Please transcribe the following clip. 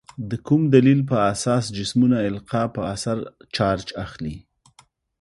د کوم دلیل په اساس جسمونه القا په اثر چارج اخلي؟